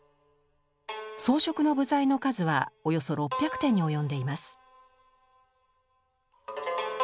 装飾の部材の数はおよそ６００点に及んでいます。